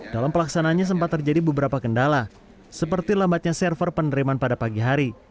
dalam pelaksananya sempat terjadi beberapa kendala seperti lambatnya server penerimaan pada pagi hari